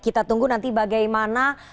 kita tunggu nanti bagaimana